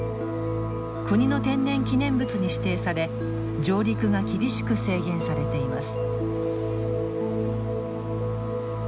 国の天然記念物に指定され上陸が厳しく制限されています。